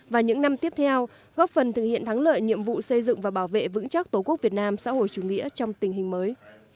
và những năm tiếp theo góp phần thực hiện thắng lợi nhiệm vụ xây dựng và bảo vệ vững chắc tổ quốc việt nam xã hội chủ nghĩa trong tình hình mới